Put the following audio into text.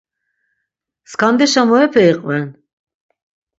Skandeşa murepe iqven?